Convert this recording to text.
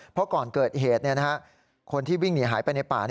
เพราะก่อนเกิดเหตุเนี่ยนะครับคนที่วิ่งหนีหายไปในป่า